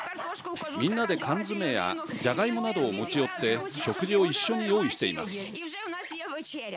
みんなで缶詰やじゃがいもなどを持ち寄って食事を一緒に用意しています。